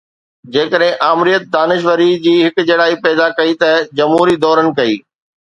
جيڪڏهن آمريت دانشوري جي هڪجهڙائي پيدا ڪئي ته جمهوري دورن ڪئي